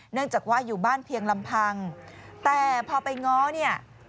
เนื่องจากว่าอยู่บ้านเพียงลำพังแต่พอไปง้อเนี่ย